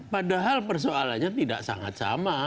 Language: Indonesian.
padahal persoalannya tidak sangat sama